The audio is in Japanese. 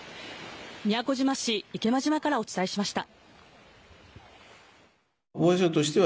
宮古島市池間島からお伝えしました。